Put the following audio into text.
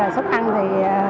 xuất ăn thì